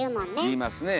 言いますね。